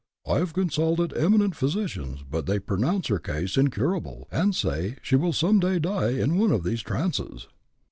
I have consulted eminent physicians, but they pronounce her case incurable, and say she will some day die in one of these trances."